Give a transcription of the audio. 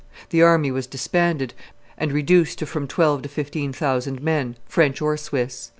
The army was disbanded, and reduced to from twelve to fifteen thousand men, French or Swiss.